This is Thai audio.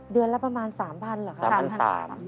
เดือนละประมาณ๓๐๐เหรอครับ